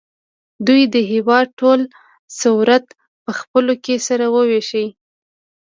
دوی د هېواد ټول ثروت په خپلو کې سره وېشي.